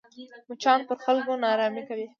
مچان پر خلکو ناارامي کوي